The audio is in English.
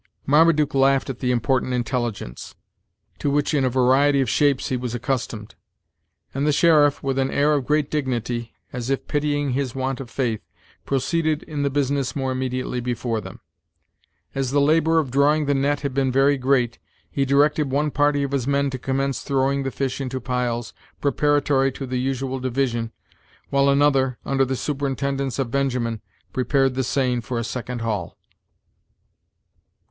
Marmaduke laughed at the important intelligence, to which in a variety of shapes he was accustomed, and the sheriff, with an air of great dignity, as if pitying his want of faith, proceeded in the business more immediately Before them. As the labor of drawing the net had been very great, he directed one party of his men to commence throwing the fish into piles, preparatory to the usual division, while another, under the superintendence of Benjamin, prepared the seine for a second haul.